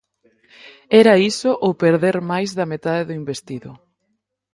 Era iso ou perder máis da metade do investido.